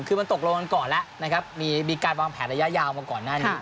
คือมันตกลงกันก่อนแล้วนะครับมีการวางแผนระยะยาวมาก่อนหน้านี้